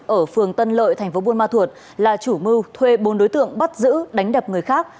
ở phường tân lợi thành phố buôn ma thuột là chủ mưu thuê bốn đối tượng bắt giữ đánh đập người khác